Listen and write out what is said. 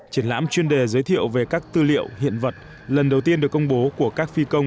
triển lãm chuyên đề giới thiệu về các tư liệu hiện vật lần đầu tiên được công bố của các phi công